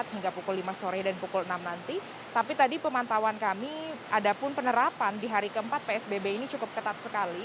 hingga pukul lima sore dan pukul enam nanti tapi tadi pemantauan kami ada pun penerapan di hari keempat psbb ini cukup ketat sekali